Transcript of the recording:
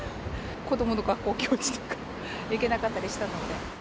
子どもの学校行事とか行けなかったりしたので。